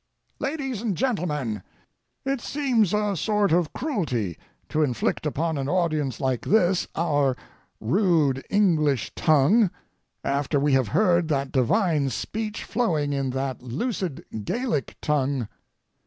LADIES AND GENTLEMEN,—It seems a sort of cruelty to inflict upon an audience like this our rude English tongue, after we have heard that divine speech flowing in that lucid Gallic tongue.